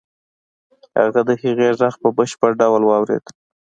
هغه د هغې غږ په بشپړ ډول واورېد.